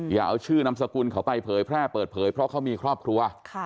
อย่าเอาชื่อนามสกุลเขาไปเผยแพร่เปิดเผยเพราะเขามีครอบครัว